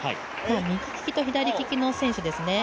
右利きと左利きの選手ですね